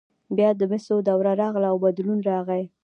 بیا د مسو دوره راغله او بدلون راغی.